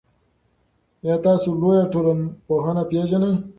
آیا تاسو لویه ټولنپوهنه پېژنئ؟